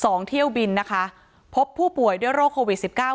เที่ยวบินนะคะพบผู้ป่วยด้วยโรคโควิดสิบเก้า